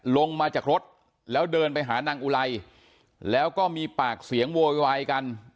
ลงมาจากรถแล้วเดินไปหานางอุไลแล้วก็มีปากเสียงโวยวายกัน